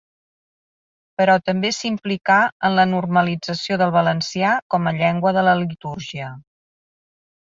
Però també s'implicà en la normalització del valencià com a llengua de la litúrgia.